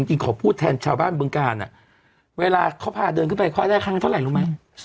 จริงขอพูดแทนชาวบ้านเบื้องกาลน่ะเวลาเขาพาเดินขึ้นไปเขาได้ค่าเท่าไหร่รู้ไหม